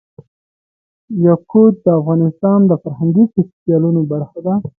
یاقوت د افغانستان د فرهنګي فستیوالونو برخه ده.